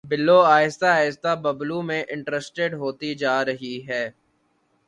بلو آہستہ آہستہ ببلو میں انٹرسٹیڈ ہوتی جا رہی ہے